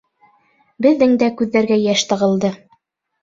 Беҙҙең дә күҙҙәргә йәш тығылды.